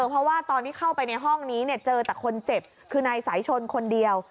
เพราะว่าตอนที่เข้าไปในห้องนี้เจอแต่คนเจ็บคือนายสายชนคนเดียว